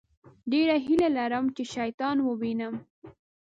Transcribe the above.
ډېره هیله لرم چې شیطان ووينم.